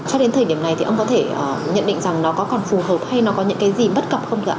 cho đến thời điểm này thì ông có thể nhận định rằng nó có còn phù hợp hay nó có những cái gì bất cập không ạ